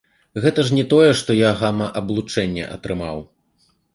Гэта ж не тое, што я гама-аблучэнне атрымаў.